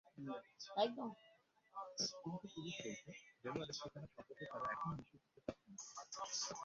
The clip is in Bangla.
কিন্তু পুলিশ বলছে, দেলোয়ারের ঠিকানা সম্পর্কে তারা এখনো নিশ্চিত হতে পারছে না।